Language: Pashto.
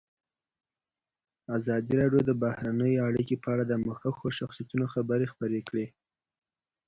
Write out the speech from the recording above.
ازادي راډیو د بهرنۍ اړیکې په اړه د مخکښو شخصیتونو خبرې خپرې کړي.